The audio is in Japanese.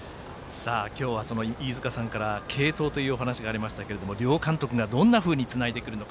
今日はその飯塚さんからも継投というお話がありましたが両監督がどんなふうにつないでくるのか。